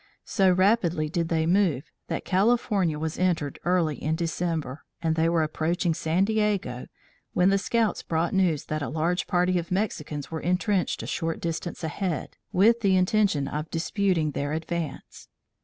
So rapidly did they move that California was entered early in December, and they were approaching San Diego, when the scouts brought news that a large party of Mexicans were intrenched a short distance ahead with the intention of disputing their advance.